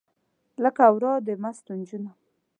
لکه ورا د مستو نجونو